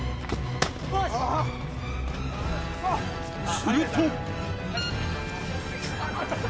すると。